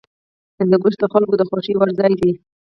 هندوکش د خلکو د خوښې وړ ځای دی.